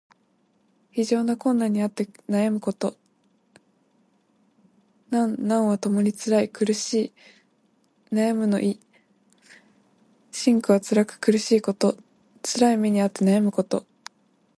非常な困難にあって苦しみ悩むこと。「艱」「難」はともにつらい、苦しい、悩むの意。「辛苦」はつらく苦しいこと。つらい目にあって悩むこと。